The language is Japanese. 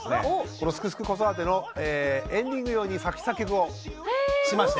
この「すくすく子育て」のエンディング用に作詞・作曲をしまして。